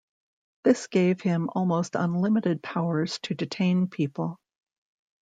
This gave him almost unlimited powers to detain people.